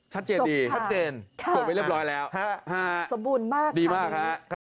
ชัดเจนดีจบไปเรียบร้อยแล้วสบูรณ์มากครับดีมากครับครับ